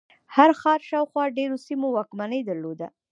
هر ښار شاوخوا ډېرو سیمو واکمني درلوده.